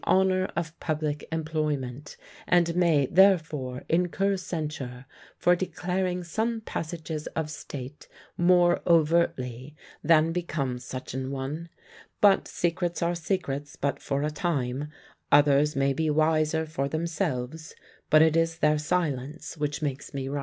Gerbier says of himself, that "he was a minister who had the honour of public employment, and may therefore incur censure for declaring some passages of state more overtly than becomes such an one; but secrets are secrets but for a time; others may be wiser for themselves, but it is their silence which makes me write."